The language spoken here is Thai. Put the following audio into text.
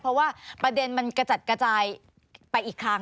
เพราะว่าประเด็นมันกระจัดกระจายไปอีกครั้ง